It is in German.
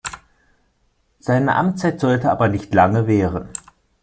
Seine Amtszeit sollte aber nicht lange währen.